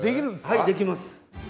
はいできます。